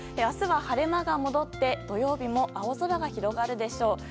明日は晴れ間が戻って土曜日も青空が広がるでしょう。